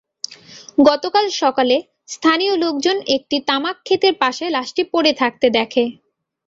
গতকাল সকালে স্থানীয় লোকজন একটি তামাকখেতের পাশে লাশটি পড়ে থাকতে দেখে।